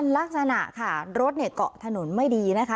ลักษณะค่ะรถเนี่ยเกาะถนนไม่ดีนะคะ